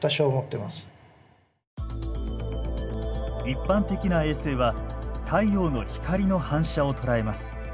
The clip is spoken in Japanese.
一般的な衛星は太陽の光の反射を捉えます。